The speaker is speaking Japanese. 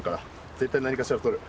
絶対何かしらとる。